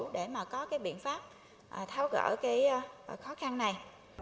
để mà có cái biện pháp tháo gỡ cái khó khăn này